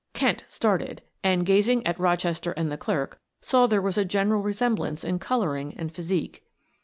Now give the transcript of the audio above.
Kent started and, gazing at Rochester and the clerk, saw there was a general resemblance in coloring and physique.